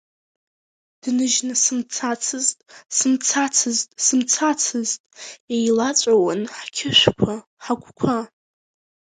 Дныжьны сымцацызт, сымцацызт, сымцацызт, еилаҵәауан ҳқьышәқәа, ҳагәқәа.